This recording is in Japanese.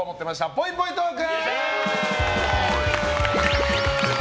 ぽいぽいトーク！